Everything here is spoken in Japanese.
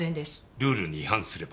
ルールに違反すれば？